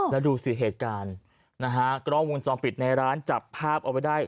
ละดูสิเหตุการณ์นะฮะกล้องวงซองปิดในร้านจับภาพออกลงไปได้